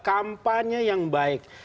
kampanye yang baik